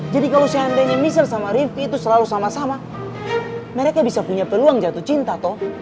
jadi kalau seandainya missel sama rifki itu selalu sama sama mereka bisa punya peluang jatuh cinta toh